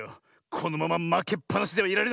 このまままけっぱなしではいられない。